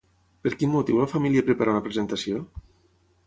Per quin motiu la família preparà una presentació?